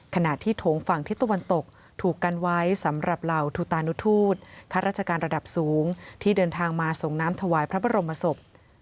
ขณะที่โถงฝั่งทิศตะวันตกถูกกันไว้สำหรับเหล่าทุตานุทูตข้าราชการระดับสูงที่เดินทางมาส่งน้ำถวายพระบรมศพ